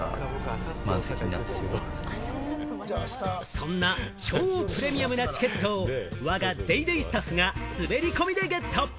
そんな超プレミアムなチケットを我が『ＤａｙＤａｙ．』スタッフが滑り込みでゲット。